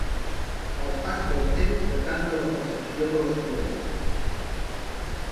El pas del temps decanta la percepció de les floretes.